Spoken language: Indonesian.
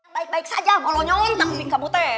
baik baik saja mau lo nyontang bingkabute